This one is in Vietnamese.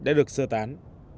đã được sơ tán